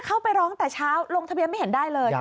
เข้าไปร้องแต่เช้าลงทะเบียนไม่เห็นได้เลย